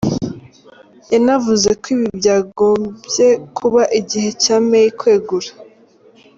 Yanavuze ko ibi byagombye kuba igihe cya May kwegura.